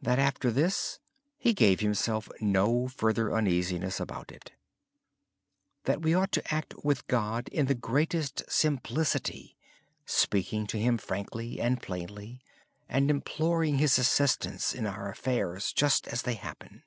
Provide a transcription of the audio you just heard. Then, after this, he gave himself no further uneasiness about it. Brother Lawrence said we ought to act with God in the greatest simplicity, speaking to Him frankly and plainly, and imploring His assistance in our affairs just as they happen.